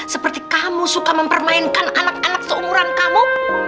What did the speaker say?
seperti kamu suka mempermainkan anak anak seumuran kamu